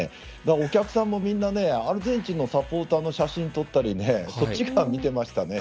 お客さんもみんなアルゼンチンのサポーターの写真を撮ったりそっちを見てましたね。